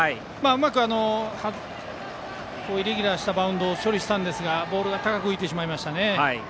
うまくイレギュラーしたバウンドを処理したんですがボールが高く浮きましたね。